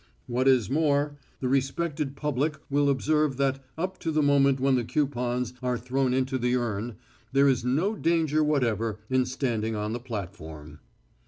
What is more, the respected public will observe that, up to the moment when the coupons are thrown into the urn, there is no danger whatever in standing on the platform.